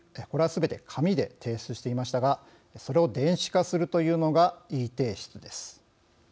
これはすべて紙で提出してきましたがそれを電子化するというのがｅ提出です。